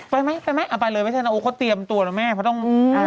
ไปไหมไปไหมเอาไปเลยไม่ใช่นะโอ้เขาเตรียมตัวนะแม่เพราะต้องอ่า